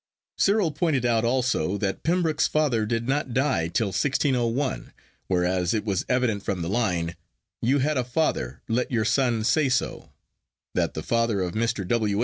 'Cyril pointed out also that Pembroke's father did not die till 1601; whereas it was evident from the line, You had a father; let your son say so, that the father of Mr. W.